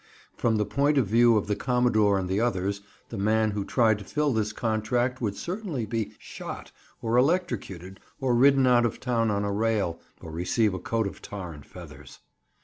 From the point of view of the commodore and the others, the man who tried to fill this contract would certainly be shot, or electrocuted, or ridden out of town on a rail, or receive a coat of tar and feathers.